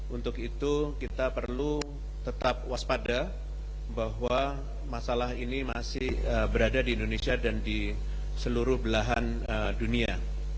untuk itu kita perlu tetap waspada bahwa masalah ini masih berada di indonesia dan di seluruh belahan dunia